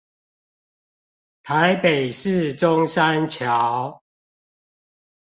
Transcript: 台北市中山橋